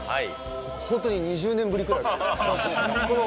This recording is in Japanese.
本当に２０年ぶりくらいです。